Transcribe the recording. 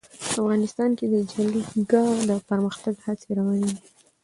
افغانستان کې د جلګه د پرمختګ هڅې روانې دي.